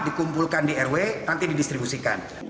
dikumpulkan di rw nanti didistribusikan